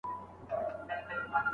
ما ويل په ښار کې چيرې اور دی لگېدلی